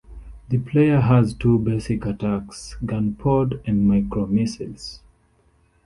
The player has two basic attacks: Gun Pod and micro-missiles.